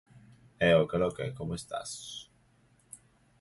Later, those from Albania, Bosnia, and Bulgaria were preferred.